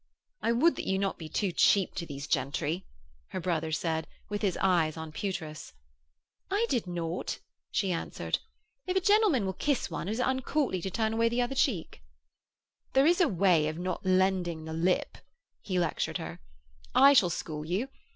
'I would that you be not too cheap to these gentry,' her brother said, with his eyes on Pewtress. 'I did naught,' she answered. 'If a gentleman will kiss one, it is uncourtly to turn away the cheek.' 'There is a way of not lending the lip,' he lectured her. 'I shall school you.